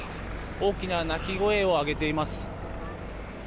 大きな鳴き声を上げています。